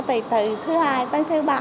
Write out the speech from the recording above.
từ thứ hai tới thứ ba